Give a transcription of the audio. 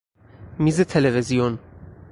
میز تلویزیون